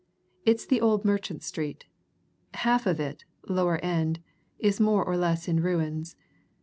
It's the old merchant street. Half of it lower end is more or less in ruins.